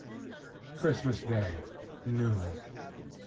CHRISTMAS DAY. NOON.